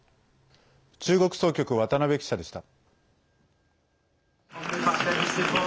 中国総局、渡辺記者でした。